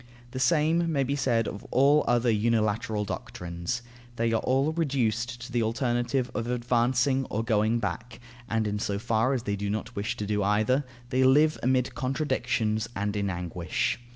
The same may be said of all other unilateral doctrines. They are all reduced to the alternative of advancing or of going back, and in so far as they do not wish to do either, they live amid contradictions and in anguish.